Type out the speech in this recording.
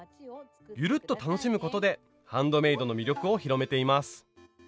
ゆるっと楽しむことでハンドメイドの魅力を広めています。